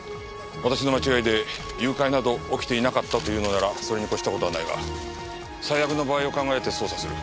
私の間違いで誘拐など起きていなかったというのならそれに越した事はないが最悪の場合を考えて捜査する。